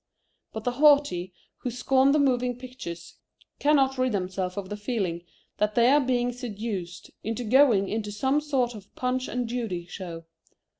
But the haughty, who scorn the moving pictures, cannot rid themselves of the feeling that they are being seduced into going into some sort of a Punch and Judy show.